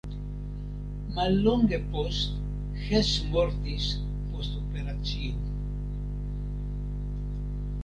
Mallonge post Hess mortis post operacio.